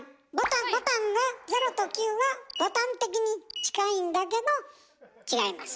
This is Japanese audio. ボタンが０と９がボタン的に近いんだけど違います。